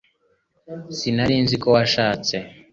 Sinari nzi ko washatse